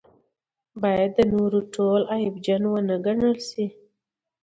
باید د نورو ټول عیبجن ونه ګڼل شي.